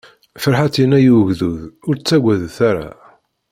Ferḥat yenna i ugdud: Ur ttagadet ara!